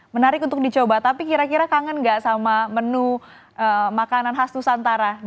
menarik untuk dicoba tapi kira kira kangen gak sama menu makanan khas nusantara